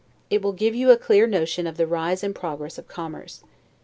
It will give you a clear notion of the rise and progress of commerce.